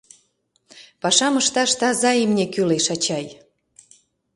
Пашам ышташ таза имне кӱлеш, ачай.